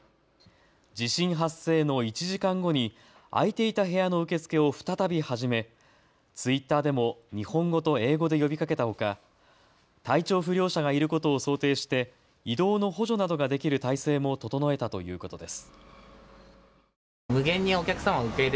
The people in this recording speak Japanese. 地震発生の１時間後に空いていた部屋の受け付けを再び始めツイッターでも日本語と英語で呼びかけたほか体調不良者がいることを想定して移動の補助などができる態勢も整えたということです。